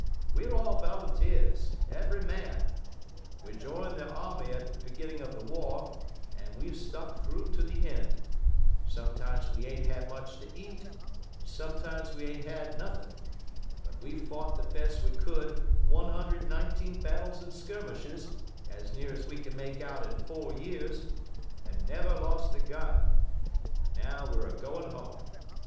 We're all volunteers, every man; we joined the army at the beginning of the war, and we've stuck through to the end; sometimes we aint had much to eat, and sometimes we aint had nothin', but we've fought the best we could 119 battles and skirmishes as near as we can make out in four years, and never lost a gun. Now we're agoin' home.